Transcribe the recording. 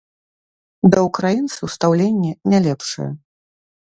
Да ўкраінцаў стаўленне не лепшае.